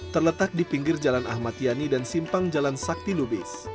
terletak di pinggir jalan ahmad yani dan simpang jalan sakti lubis